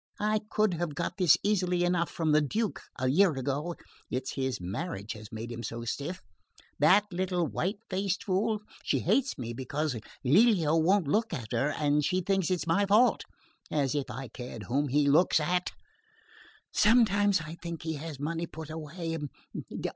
I could have got this easily enough from the Duke a year ago it's his marriage has made him so stiff. That little white faced fool she hates me because Lelio won't look at her, and she thinks it's my fault. As if I cared whom he looks at! Sometimes I think he has money put away...